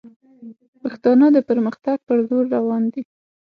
پښتانه د پرمختګ پر لور روان دي